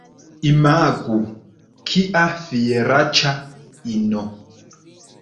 Imagu, kia fieraĉa ino!